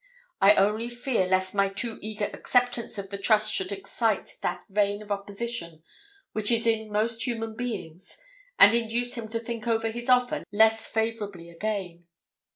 I only fear lest my too eager acceptance of the trust should excite that vein of opposition which is in most human beings, and induce him to think over his offer less favourably again.